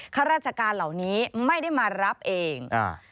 ข้าราชการเหล่านี้ไม่ได้มารับเอง